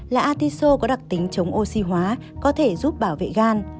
là artiso có đặc tính chống oxy hóa có thể giúp bảo vệ gan